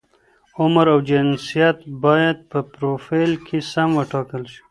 عمر او جنسیت باید په فروفیل کې سم وټاکل شي.